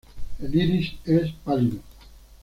El iris es pálido.